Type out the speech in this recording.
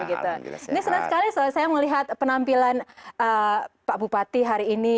ini senang sekali saya melihat penampilan pak bupati hari ini